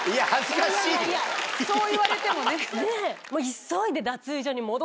そう言われてもね。